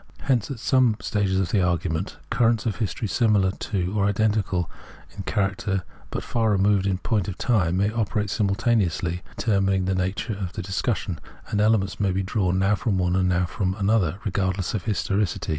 Hence, at some stages of the argument, currents of history similar or identical in general char acter, but far removed in point of time, may operate simultaneously in determining the nature of the dis cussion, and elements may be drawn, now from one, and now from another, regardless of historicity.